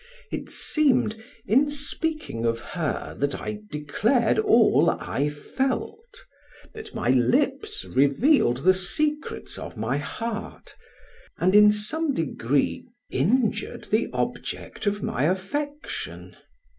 It seemed in speaking of her that I declared all I felt, that my lips revealed the secrets of my heart, and in some degree injured the object of my affection.